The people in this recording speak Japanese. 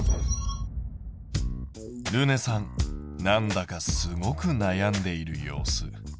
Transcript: るねさんなんだかすごく悩んでいる様子。